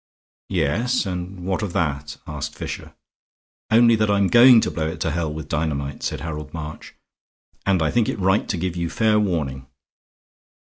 "Yes, and what of that?" asked Fisher. "Only that I'm going to blow it to hell with dynamite," said Harold March, "and I think it right to give you fair warning.